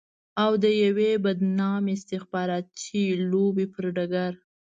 او د يوې بدنامې استخباراتي لوبې پر ډګر.